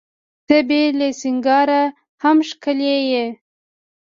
ته بې له سینګاره هم ښکلي یې.